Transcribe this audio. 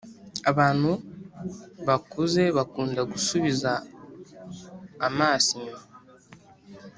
] abantu bakuze bakunda gusubiza amaso inyuma.